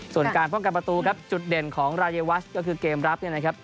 ส่วนการป้องกันประตูครับจุดเด่นของรายวัชก็คือเกมรับเนี่ยนะครับ